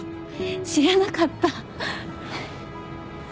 知らなかった。